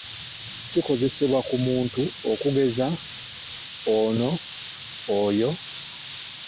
Kikozesebwa ku muntu okugeza ono, oyo.